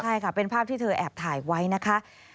ใช่ค่ะเป็นภาพที่เธอแอบถ่ายไว้นะคะ